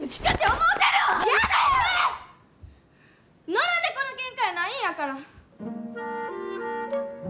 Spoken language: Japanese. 野良猫のケンカやないんやから！